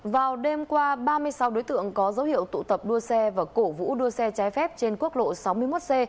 vào đêm qua ba mươi sáu đối tượng có dấu hiệu tụ tập đua xe và cổ vũ đua xe trái phép trên quốc lộ sáu mươi một c